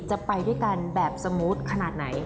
จะไปด้วยกันแบบสมูทขนาดไหน